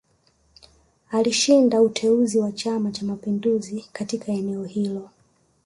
Alishinda uteuzi wa Chama Cha Mapinduzi katika eneo hilo